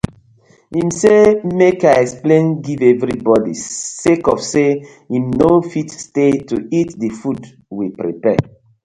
Im say mek I explain giv everi bodi sake of say im no fit stay to eat the food we prapare.